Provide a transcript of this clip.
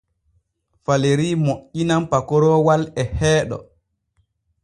Falerii moƴƴinan pakoroowal e heeɗo.